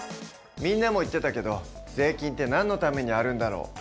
みんなも言ってたけど税金ってなんのためにあるんだろう？